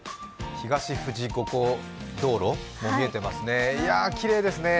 東富士五湖道路も見えてますね、きれいですね。